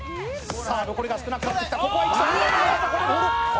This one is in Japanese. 残りが少なくなってきた。